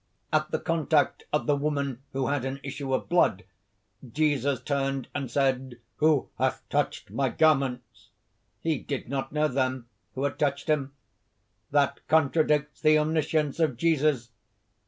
"At the contact of the woman who had an issue of blood, Jesus turned and said, 'Who hath touched my garments?' He did not know, then, who had touched him? That contradicts the omniscience of Jesus!